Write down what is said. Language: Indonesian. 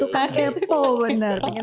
tukang kepo bener